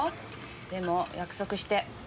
でも約束して。